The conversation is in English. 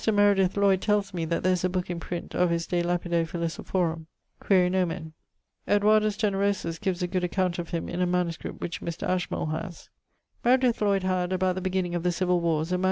Meredith Lloyd tells me that there is a booke in print of his de lapide philosophorum; quaere nomen. Edwardus Generosus gives a good account of him in a manuscript which Mr. Ashmole haz. Meredith Lloyd had, about the beginning of the civill warres, a MS.